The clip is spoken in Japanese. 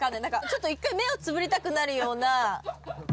ちょっと一回目をつぶりたくなるような。